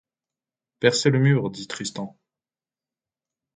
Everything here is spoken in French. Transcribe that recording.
Percez le mur, dit Tristan.